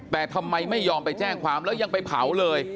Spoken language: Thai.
แต่ทำไมไม่ยอมไปแจ้งความแล้วยังไปเผาเลย